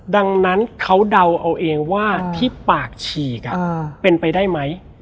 ดังนั้นเขาเดาเอาเองว่าที่ปากฉีกเป็นไปได้ไหม